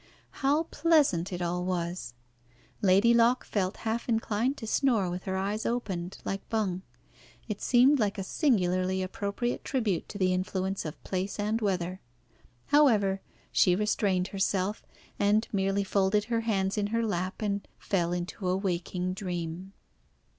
How pleasant it all was! Lady Locke felt half inclined to snore with her eyes opened, like Bung. It seemed such a singularly appropriate tribute to the influence of place and weather. However, she restrained herself, and merely folded her hands in her lap and fell into a waking dream.